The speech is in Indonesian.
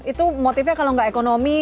itu motifnya kalau nggak ekonomi